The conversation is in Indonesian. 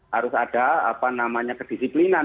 harus ada kedisiplinan